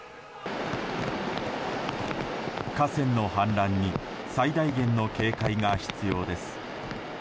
河川の氾濫に最大限の警戒が必要です。